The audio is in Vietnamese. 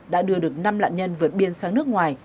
đã đưa được năm nạn nhân vượt biên sang nước ngoài